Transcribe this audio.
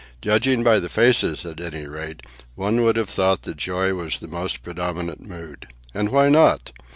Judging by the faces, at any rate, one would have thought that joy was the most predominant mood. And why not?